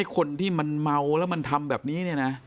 คนที่มันเมาแล้วมันทำแบบนี้